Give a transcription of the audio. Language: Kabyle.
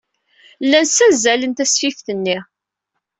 Llan ssazzalen tasfift-nni.